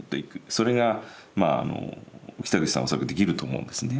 それがまあ北口さんはできると思うんですね。